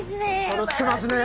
そろってますね。